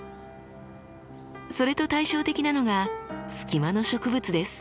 それと対照的なのがスキマの植物です。